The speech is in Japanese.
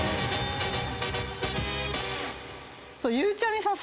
ゆうちゃみさん